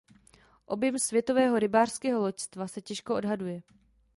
Objem světového "rybářského loďstva" se těžko odhaduje.